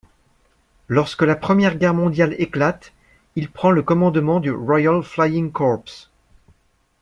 Lorsque la Première Guerre mondiale éclate, il prend le commandement du Royal Flying Corps.